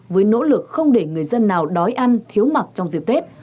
với nỗ lực không để người dân nào đói ăn thiếu mặc trong dịp tết